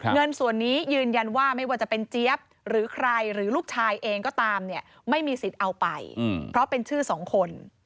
เงินส่วนนี้ยืนยันว่าไม่ว่าจะเป็นเจี๊ยบหรือใครหรือลูกชายเองก็ตามเนี่ยไม่มีสิทธิ์เอาไปเพราะเป็นชื่อสองคน